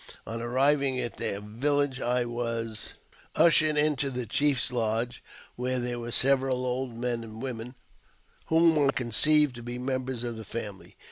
On arriving at their village I was ushered into the chief's lodge, where there were several old men and women whom I conceived to be members of the family.